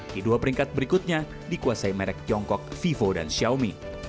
di dua peringkat berikutnya dikuasai merek tiongkok vivo dan xiaomi